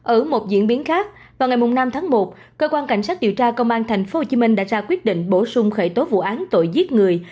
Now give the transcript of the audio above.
ở một diễn biến khác vào ngày năm tháng một cơ quan cảnh sát điều tra công an tp hcm đã ra quyết định bổ sung khởi tố vụ án tội giết người